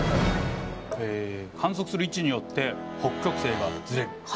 観測する位置によって北極星がズレる。